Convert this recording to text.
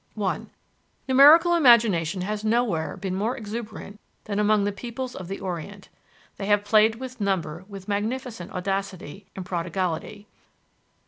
(1) Numerical imagination has nowhere been more exuberant than among the peoples of the Orient. They have played with number with magnificent audacity and prodigality.